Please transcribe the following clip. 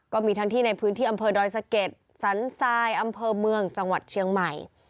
ก็มีทั้งที่ในพื้นที่อำเภอดอยสะเก็ดสันทรายอำเภอเมืองจังหวัดเชียงใหม่